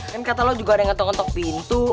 kan kata lo juga ada yang ngetok ngetok pintu